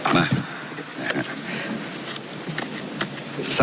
มา